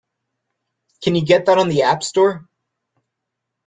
Can you get that on the App Store?